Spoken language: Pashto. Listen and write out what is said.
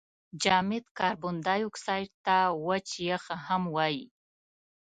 جامد کاربن دای اکساید ته وچ یخ هم وايي.